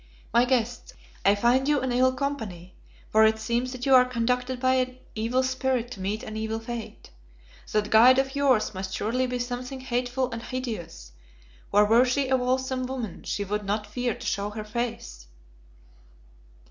My guests, I find you in ill company, for it seems that you are conducted by an evil spirit to meet an evil fate. That guide of yours must surely be something hateful and hideous, for were she a wholesome woman she would not fear to show her face."